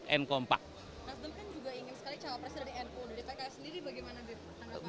mas dem kan juga ingin sekali cawapresiden di npu dari pks sendiri bagaimana ditanggap